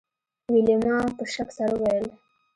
ویلما په شک سره وویل